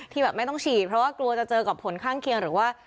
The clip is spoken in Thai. แบบไม่ต้องฉีดเพราะว่ากลัวจะเจอกับผลข้างเคียงหรือว่า